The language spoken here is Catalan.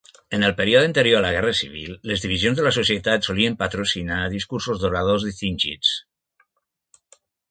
En el període anterior a la Guerra Civil, les divisions de la societat solien patrocinar discursos d'oradors distingits.